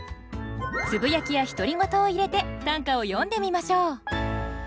つぶやきや独り言を入れて短歌を詠んでみましょう。